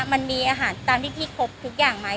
มันมีอาหารตามที่พี่ครบทุกอย่างไหม